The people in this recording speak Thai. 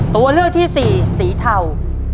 ตัวเลือกที่สี่สีเทา